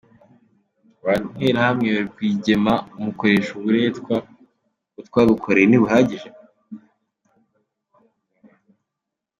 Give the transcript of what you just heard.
Wa nterahamwe we Rwigema umukoresha uburetwa, ubwo twagukoreye ntibuhagije?